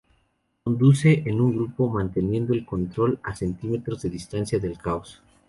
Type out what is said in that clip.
Conduce en grupo manteniendo el control a centímetros de distancia del caos.